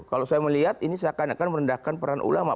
kalau saya melihat ini seakan akan merendahkan peran ulama